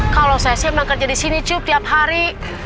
kalau saya siap nangka jadi sini cup tiap hari